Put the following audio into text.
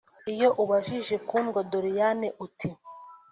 Iyo ubajije Kundwa Doriane uti